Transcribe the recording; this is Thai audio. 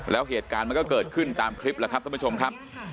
แล้วเหตุการณ์มันก็เกิดขึ้นตามคลิปแล้วครับท่านผู้ชมครับ